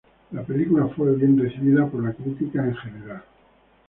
La película fue bien recibida por la crítica en general.